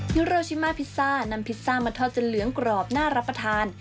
ยูโรชิมาพิซซ่านำพิซซ่ามาทอดจนเหลืองกรอบน่ารับประทาน